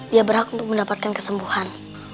dia berhak untuk mendapatkan kesembuhan